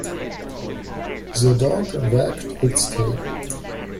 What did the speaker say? The dog wagged its tail.